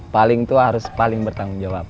paling tua harus paling bertanggung jawab